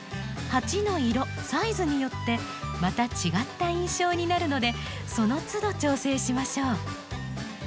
鉢の色サイズによってまた違った印象になるのでその都度調整しましょう。